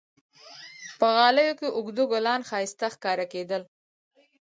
په غالیو کې اوږده ګلان ښایسته ښکارېدل.